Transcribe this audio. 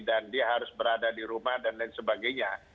dan dia harus berada di rumah dan lain sebagainya